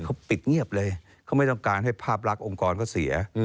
เขาปิดเงียบเลยเขาไม่ต้องการให้ภาพลักษณ์องค์กรเขาเสีย